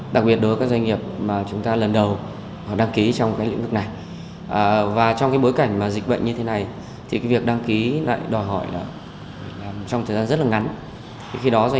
để được áp dụng một cách chặt chẽ và sát sao